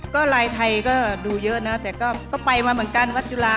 ก็ลายไทยก็ดูเยอะนะแต่ก็ไปมาเหมือนกันวัดจุฬา